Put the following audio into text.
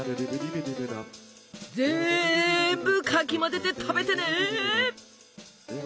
ぜんぶかき混ぜて食べてね。